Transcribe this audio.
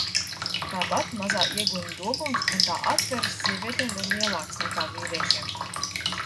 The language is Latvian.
Tāpat mazā iegurņa dobums un tā atveres sievietēm ir lielākas nekā vīriešiem.